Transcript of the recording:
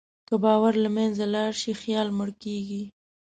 که باور له منځه لاړ شي، خیال مړ کېږي.